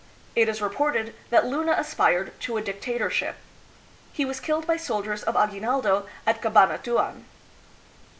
It is re ported that Luna aspired to a dictatorship. He was killed by soldiers of Aguinaldo at Cabanatuan.